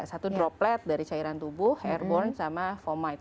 satu droplet dari cairan tubuh hair bone sama fomite